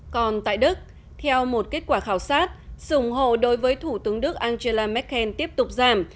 còn tại đức theo một kết quả khảo sát sự ủng hộ đối với thủ tướng đức angela merkel tiếp tục giảm